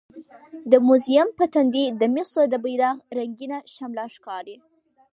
د موزیم په تندي د مصر د بیرغ رنګینه شمله ښکاري.